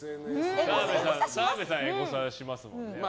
澤部さん、エゴサしますもんね。